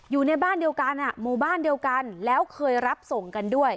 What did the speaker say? อยู่ในบ้านเดียวกันหมู่บ้านเดียวกันแล้วเคยรับส่งกันด้วย